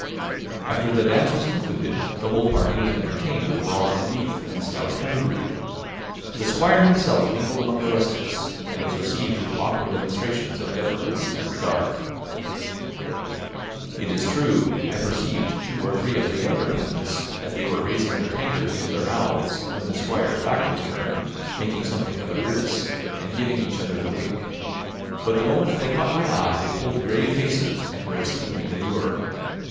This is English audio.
After the dance was concluded, the whole party was entertained with brawn and beef, and stout home brewed. The Squire himself mingled among the rustics, and was received with awkward demonstrations of deference and regard. It is true, I perceived two or three of the younger peasants, as they were raising their tankards to their mouths when the Squire's back was turned, making something of a grimace, and giving each other the wink; but the moment they caught my eye they pulled grave faces, and were exceedingly demure.